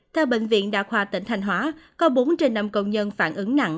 theo bệnh viện đa khoa tỉnh thanh hóa có bốn trên năm công nhân phản ứng nặng